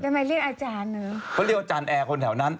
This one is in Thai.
เรียกมาเรียกอาจารย์เหรอเขาเรียกอาจารย์แอร์คนแถวนั้น